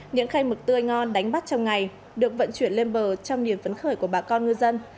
những khay mực tươi ngon đánh bắt trong ngày được vận chuyển lên bờ trong niềm phấn khởi của bà con ngư dân